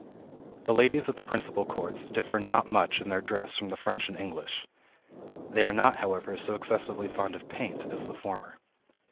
The ladies at the principal courts, differ not much in their dress from the French and English. They are not, however, so excessively fond of paint as the former.